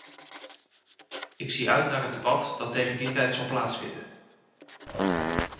Ik zie uit naar het debat dat tegen die tijd zal plaatsvinden.